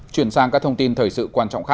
chuyển sang các thông tin thời sự